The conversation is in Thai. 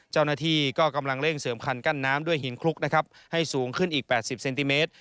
เจ้าหน้าที่ก็กำลังเร่งเสริมคันกั้นน้ำด้วยหินคลุกนะครับให้สูงขึ้นอีก๘๐เซนติเมตร